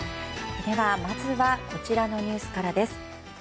ではまずはこちらのニュースからです。